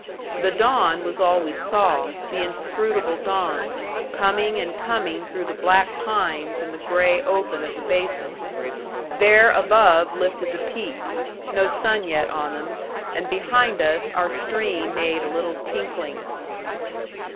The dawn was all we saw, the inscrutable dawn, coming and coming through the black pines and the gray open of the basin. There above lifted the peaks, no sun yet on them, and behind us our stream made a little tinkling.